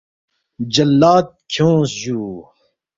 جلّاد کھیونگس جُو